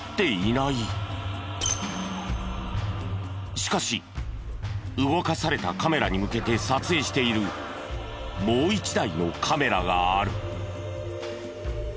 しかし動かされたカメラに向けて撮影しているもう一台のカメラがある。